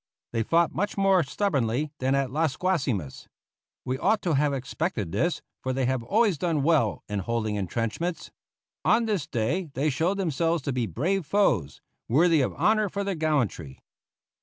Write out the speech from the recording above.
They fought much more stubbornly than at Las Guasimas. We ought to have expected this, for they have always done well in holding intrenchments. On this day they showed themselves to be brave foes, worthy of honor for their gallantry.